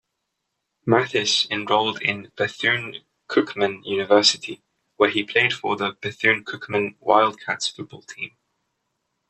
Mathis enrolled in Bethune-Cookman University, where he played for the Bethune-Cookman Wildcats football team.